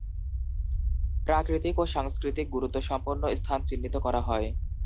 প্রাকৃতিক ও সাংস্কৃতিক গুরুত্বসম্পন্ন স্থান চিহ্নিত করা হয়।